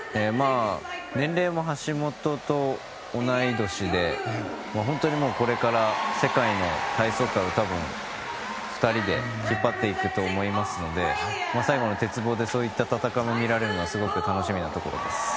年齢も橋本と同い年で本当に、これから世界の体操界を多分、２人で引っ張っていくと思いますので最後の鉄棒でそういった戦いを見られるのもすごく楽しみなところです。